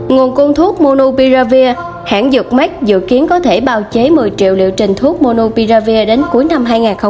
nguồn cung thuốc monopiravir hãng dược mac dự kiến có thể bao chế một mươi triệu liệu trình thuốc monopiravir đến cuối năm hai nghìn hai mươi một